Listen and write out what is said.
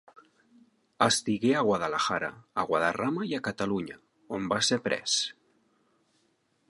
Estigué a Guadalajara, a Guadarrama i a Catalunya, on va ser pres.